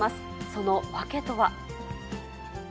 その訳とは。